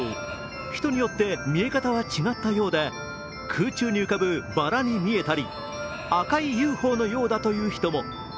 人によって見え方は違ったようで空中に浮かぶばらに見えたり赤いＵＦＯのようだと言う人も。